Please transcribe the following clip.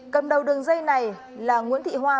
cầm đầu đường dây này là nguyễn thị hoa